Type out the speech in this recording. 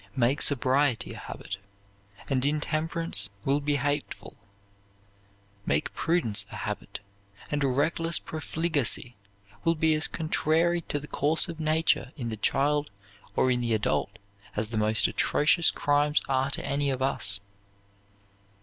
"Make sobriety a habit, and intemperance will be hateful; make prudence a habit, and reckless profligacy will be as contrary to the course of nature in the child, or in the adult, as the most atrocious crimes are to any of us."